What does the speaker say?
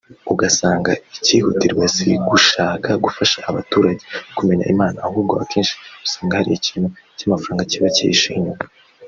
ugasanga ikihutirwa si gushaka gufasha abaturage kumenya Imana ahubwo akenshi usanga hari ikintu cy’amafaranga kiba cyihishe inyuma